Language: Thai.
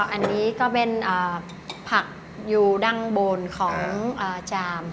อันนี้ก็เป็นผักอยู่ด้านบนของจาม